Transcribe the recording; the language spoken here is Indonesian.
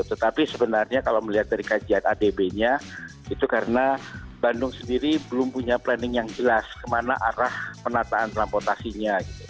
tetapi sebenarnya kalau melihat dari kajian adb nya itu karena bandung sendiri belum punya planning yang jelas kemana arah penataan transportasinya